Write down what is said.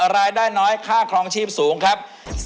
รายได้น้อยค่าครองชีพสูงครับ